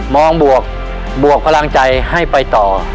บวกบวกพลังใจให้ไปต่อ